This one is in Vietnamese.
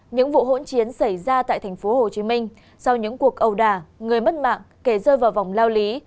những vụ hỗn chiến xảy ra tại tp hcm sau những cuộc ầu đà người mất mạng kể rơi vào vòng lao lý